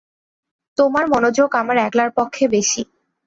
তোমার মনোযোগ আমার একলার পক্ষে বেশি।